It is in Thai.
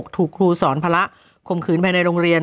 ถูกครูสอนภาระข่มขืนภายในโรงเรียน